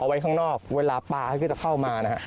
ไว้ข้างนอกเวลาปลาเขาก็จะเข้ามานะฮะ